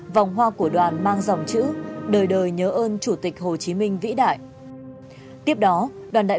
vòng hoa của đoàn mang dòng chữ đời đời nhớ ơn chủ tịch hồ chí minh vĩ đại